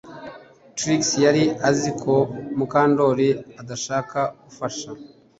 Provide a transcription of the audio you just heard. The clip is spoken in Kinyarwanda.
Trix yari azi ko Mukandoli adashaka gufasha